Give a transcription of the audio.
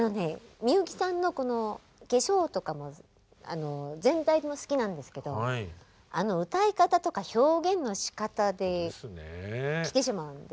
みゆきさんのこの「化粧」とかも全体も好きなんですけどあの歌い方とか表現のしかたできてしまうんですよ。